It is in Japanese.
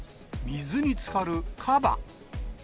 水につかるカバ。